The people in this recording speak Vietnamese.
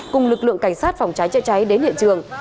cùng lực lượng cảnh sát phòng cháy chữa cháy đến hiện trường